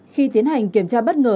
khi tiến hành kiểm tra bất ngờ